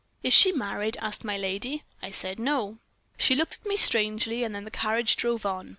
"'Is she married?' asked my lady. I said, 'No.' "She looked at me strangely, and then the carriage drove on.